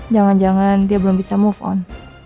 jangan jangan dia belum bisa move on